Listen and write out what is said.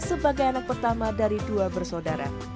sebagai anak pertama dari dua bersaudara